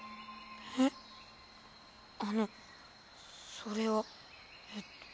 えっあのそれはえっと。